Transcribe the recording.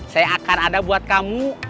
saya akan ada buat kamu